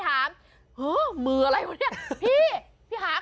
ใครออกแบบห้องน้ำวะ